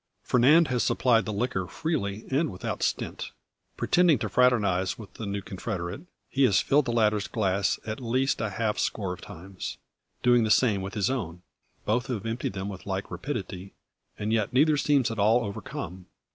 Fernand has supplied the liquor freely and without stint. Pretending to fraternise with the new confederate, he has filled the latter's glass at least a half score of times, doing the same with his own. Both have emptied them with like rapidity, and yet neither seems at all overcome.